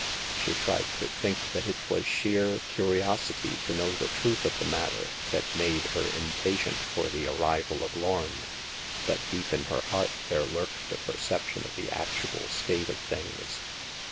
She tried to think that it was sheer curiosity to know the truth of the matter that made her impatient for the arrival of Lorn ; but deep in her heart there lurked a perception of the actual state of things.